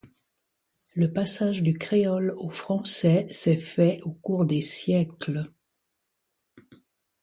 Le passage du créole au français s'est fait au cours des siècles.